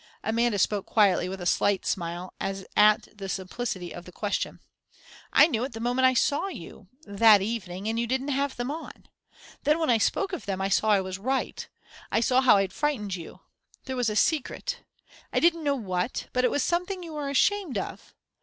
Amanda spoke quietly, with a slight smile, as at the simplicity of the question. "I knew it the moment I saw you that evening, and you didn't have them on. Then when I spoke of them, I saw I was right I saw how I'd frightened you. There was a secret I didn't know what; but it was something you were ashamed of.